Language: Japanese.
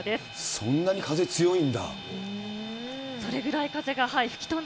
そんなに風強いんだ。